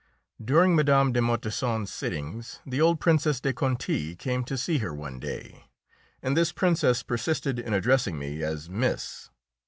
During Mme. de Montesson's sittings the old Princess de Conti came to see her one day, and this Princess persisted in addressing me as "Miss."